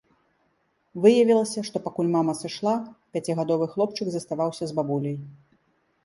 Выявілася, што пакуль мама сышла, пяцігадовы хлопчык заставаўся з бабуляй.